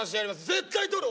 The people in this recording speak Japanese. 絶対とる